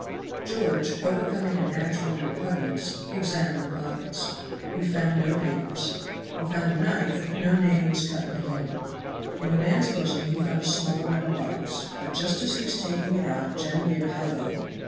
George, overcoming a natural repugnance, examined the pockets. He found no papers. He found a knife, but no name was cut in the handle. In the man's bosom he found a small metal box, but just as he was taking it out Jem gave a halo!